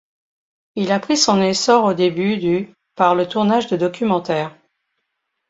Il a pris son essor au début du par le tournage de documentaires.